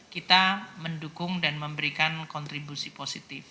kita mendukung dan memberikan kontribusi positif